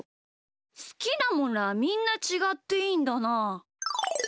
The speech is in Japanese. すきなものはみんなちがっていいんだな。